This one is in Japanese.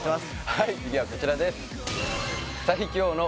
はい次はこちらです